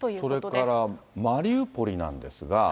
それから、マリウポリなんですが。